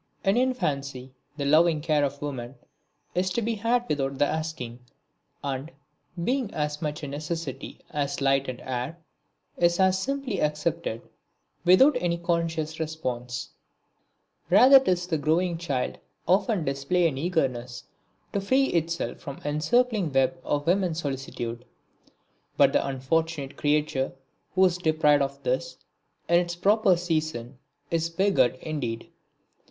In infancy the loving care of woman is to be had without the asking, and, being as much a necessity as light and air, is as simply accepted without any conscious response; rather does the growing child often display an eagerness to free itself from the encircling web of woman's solicitude. But the unfortunate creature who is deprived of this in its proper season is beggared indeed.